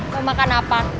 mau makan apa